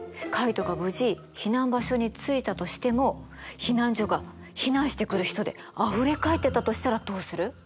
カイトが無事避難場所に着いたとしても避難所が避難してくる人であふれかえってたとしたらどうする？